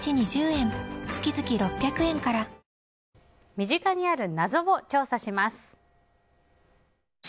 身近にある謎を調査します。